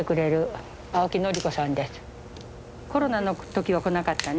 コロナの時は来なかったね。